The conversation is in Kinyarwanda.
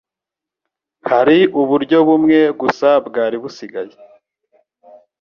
hari uburyo bumwe gusa bwari busigaye